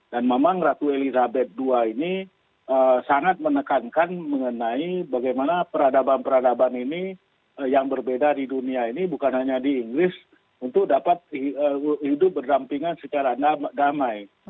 memang ratu elizabeth ii ini sangat menekankan mengenai bagaimana peradaban peradaban ini yang berbeda di dunia ini bukan hanya di inggris untuk dapat hidup berdampingan secara damai